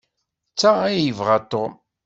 D ta ay yebɣa Tom.